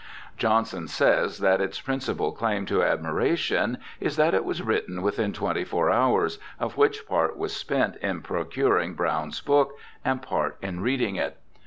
Johnson says that its principal claim to admiration is that it was written within twenty four hours, of which part was spent in procuring Browne's book and part in reading it.